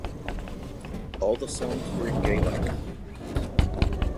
All the songs were in Gaelic.